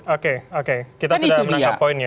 oke oke kita sudah menangkap poinnya